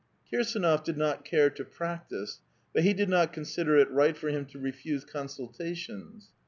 KiRSANOF did not care to practise, but he did not consider it risrht for him to refuse consultations.